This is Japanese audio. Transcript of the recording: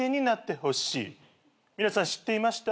皆さん知っていました？